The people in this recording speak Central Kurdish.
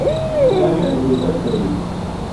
چاوی ئهنگوته کوڕی